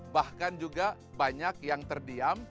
bahkan juga banyak yang terdiam